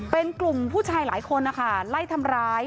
เป็นกลุ่มผู้ชายหลายคนนะคะไล่ทำร้าย